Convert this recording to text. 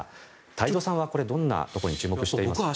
太蔵さんはどんなところに注目していますか。